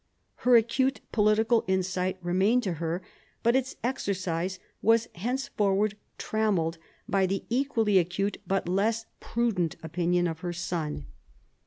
Her acute political insight remained to her ; but its exercise was henceforward trammelled by the equally acute but less prudent opinion of her son.